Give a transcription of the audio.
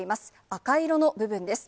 赤色の部分です。